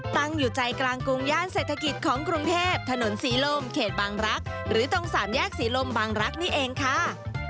ตั้งอยู่ใจกลางกรุงย่านเศรษฐกิจของกรุงเทพถนนศรีลมเขตบางรักษ์หรือตรงสามแยกศรีลมบางรักนี่เองค่ะ